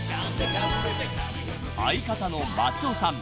［相方の松尾さん